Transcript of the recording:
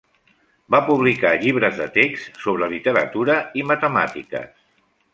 Va publicar llibres de text sobre literatura i matemàtiques.